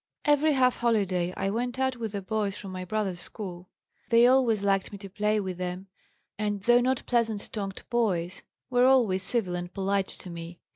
"Every half holiday I went out with the boys from my brothers' school. They always liked me to play with them, and, though not pleasant tongued boys, were always civil and polite to me.